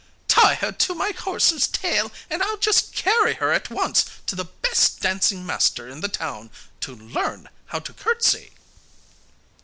Tie her to my horse's tail and I'll just carry her at once to the best dancing master in the town to learn how to curtsy.